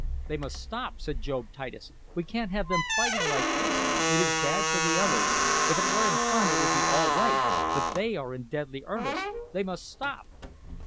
"They must stop!" said Job Titus. "We can't have them fighting like this. It is bad for the others. If it were in fun it would be all right, but they are in deadly earnest. They must stop!"